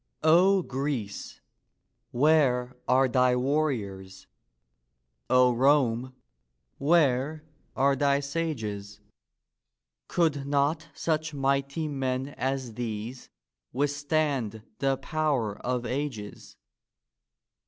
O Greece, where are thy warriors ? O Rome, where are thy sages ? Could not such mighty men as these withstand the power of ages